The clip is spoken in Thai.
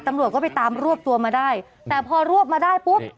ตำรวจก็ไปตามรวบตัวมาได้แต่พอรวบมาได้ปุ๊บ